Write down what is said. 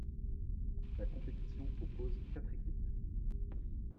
La compétition oppose quatre équipes.